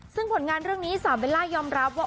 ซึ่งผลงานเรื่องนี้สาวเบลล่ายอมรับว่า